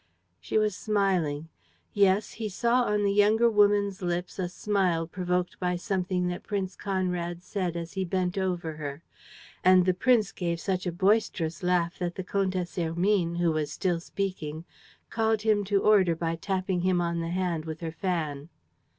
She was smiling. Yes, he saw on the younger woman's lips a smile provoked by something that Prince Conrad said as he bent over her. And the prince gave such a boisterous laugh that the Comtesse Hermine, who was still speaking, called him to order by tapping him on the hand with her fan.